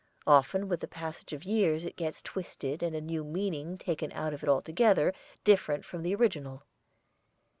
Often with the passage of years it gets twisted and a new meaning taken out of it altogether different from the original.